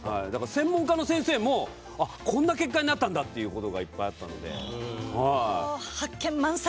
専門家の先生もこんな結果になったんだってことがいっぱいあったので。